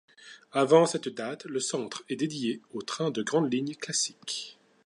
Avant cette date, le centre est dédié aux trains de grandes lignes classiques.